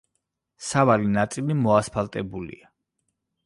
სავალი ნაწილი მოასფალტებულია.